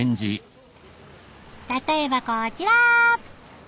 例えばこちら。